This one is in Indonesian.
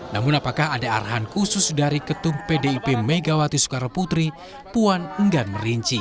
namun apakah ada arahan khusus dari ketum pdip megawati soekarno putri puan enggan merinci